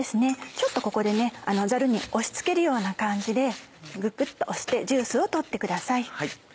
ちょっとここでザルに押し付けるような感じでググっと押してジュースを取ってください。